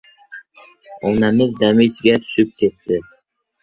Onamiz dami ichiga tushib ketadi.